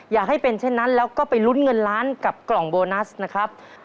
อยากให้เป็นเช่นนั้นแล้วก็ไปลุ้นเงินล้านกับกล่องโบนัสนะครับ